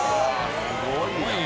すごいな。